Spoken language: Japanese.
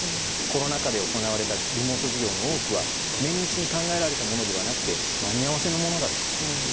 コロナ禍で行われたリモート授業の多くは綿密に考えられたものではなくて間に合わせのものだと。